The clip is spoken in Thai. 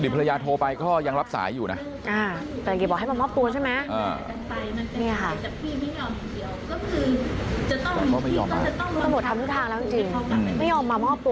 พุ่งหนึ่ง